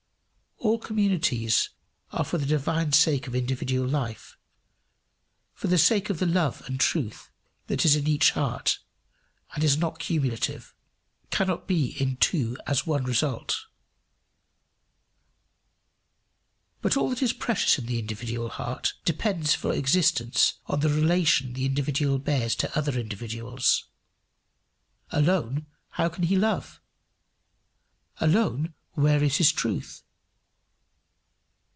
All communities are for the divine sake of individual life, for the sake of the love and truth that is in each heart, and is not cumulative cannot be in two as one result. But all that is precious in the individual heart depends for existence on the relation the individual bears to other individuals: alone how can he love? alone where is his truth?